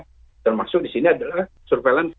termasuk disini adalah surveillance